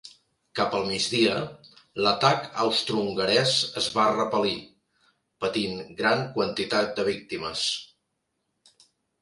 Cap al migdia, l'atac austrohongarès es va repel·lir, patint gran quantitat de víctimes.